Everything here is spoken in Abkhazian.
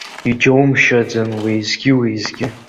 Иџьоумшьаӡан, уеизгьы-уеизгьы?